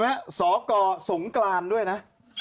แล้วคุณสนิมมั้ยสกสกด้วยนะ